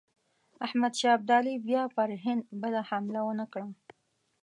احمدشاه ابدالي بیا پر هند بله حمله ونه کړه.